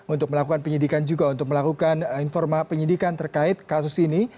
untuk melakukan penyidikan juga untuk melakukan informa penyidikan terkait kasus ini